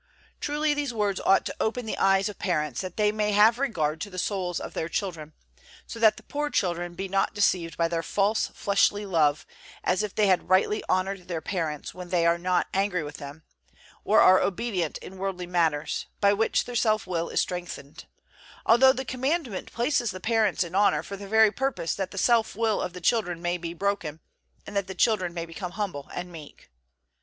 Truly, these words ought to open the eyes of parents, that they may have regard to the souls of their children, so that the poor children be not deceived by their false, fleshly love, as if they had rightly honored their parents when they are not angry with them, or are obedient in worldly matters, by which their self will is strengthened; although the Commandment places the parents in honor for the very purpose that the self will of the children may be broken, and that the children may become humble and meek.